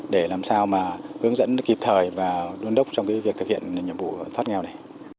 để làm sao hướng dẫn kịp thời và đuôn đốc trong việc thực hiện nhiệm vụ thoát nghèo này